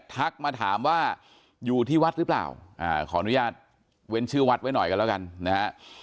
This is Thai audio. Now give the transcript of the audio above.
ทักมาถามว่าอยู่ที่วัดหรือเปล่าขออนุญาตเว้นชื่อวัดไว้หน่อยกันแล้วกันนะฮะ